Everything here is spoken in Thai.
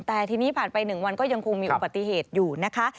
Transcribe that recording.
แต่ทีนี้ผ่านไป๑วันก็ยังคงมีอุบัติเหตุอยู่นะคะ